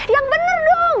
yang bener dong